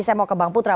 saya mau ke bang putra